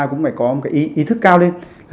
cũng phải có ý thức cao lên